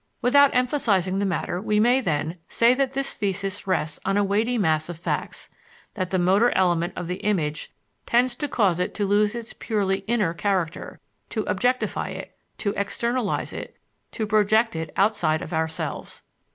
Without emphasizing the matter we may, then, say that this thesis rests on a weighty mass of facts; that the motor element of the image tends to cause it to lose its purely "inner" character, to objectify it, to externalize it, to project it outside of ourselves.